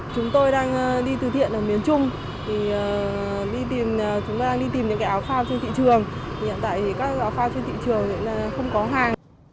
chúng tôi đang đi từ thiện ở miền trung thì chúng tôi đang đi tìm những cái áo phao trên thị trường hiện tại thì các áo phao trên thị trường thì không có hàng